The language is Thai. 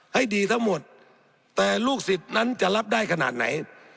ให้ดีทั้งหมดแต่ลูกศิษย์นั้นจะรับได้ขนาดไหน